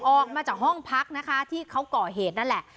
ออกมาจากห้องพักนะคะที่เขาก่อเหตุนั่นแหละ